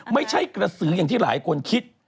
ไม่ใช่กระสืออย่างที่หลายคนคิด